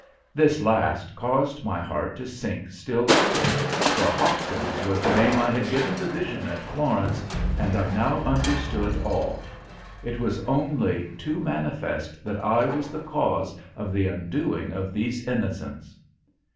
This last caused my heart to sink still lower, for Hawkins was the name I had given the vision at Florence, and I now understood all. It was only too manifest that I was the cause of the undoing of these innocents.